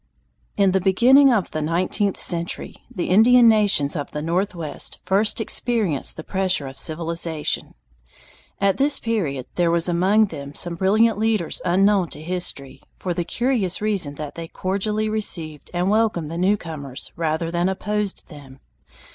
] In the beginning of the nineteenth century, the Indian nations of the Northwest first experienced the pressure of civilization. At this period there were among them some brilliant leaders unknown to history, for the curious reason that they cordially received and welcomed the newcomers rather than opposed them.